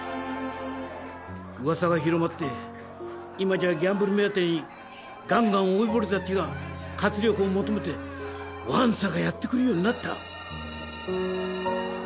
噂が広まって今じゃギャンブル目当てにガンガン老いぼれたちが活力を求めてわんさかやって来るようになった。